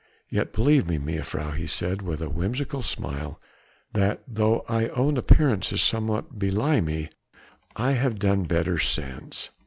"Yet believe me, mejuffrouw," he said with a whimsical smile, "that though I own appearances somewhat belie me, I have done better since."